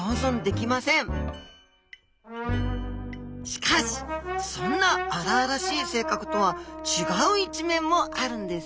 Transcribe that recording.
しかしそんな荒々しい性格とは違う一面もあるんです